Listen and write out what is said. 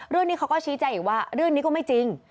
เรื่องนี้เขาก็ชี้แจงอีกว่าเรื่องนี้ก็ไม่จริง